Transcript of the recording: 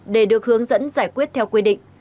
để được hướng dẫn giải quyết theo quy định